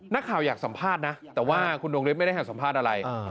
นักข่าวอยากสัมภาษณ์นะแต่ว่าคุณดวงฤทธิไม่ได้ให้สัมภาษณ์อะไร